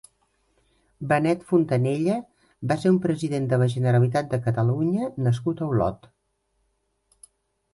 Benet Fontanella va ser un president de la Generalitat de Catalunya nascut a Olot.